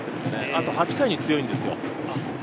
あと８回に強いんですよ。